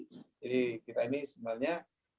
jadi kita ini sebenarnya